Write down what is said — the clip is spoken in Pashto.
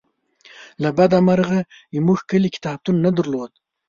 له بده مرغه زمونږ کلي کتابتون نه درلوده